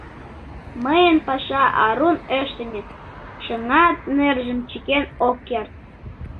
Мыйын паша арун ыштыме, шыҥат нержым чыкен ок керт.